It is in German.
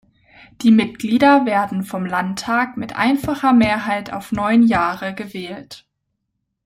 Die Mitglieder werden vom Landtag mit einfacher Mehrheit auf neun Jahre gewählt.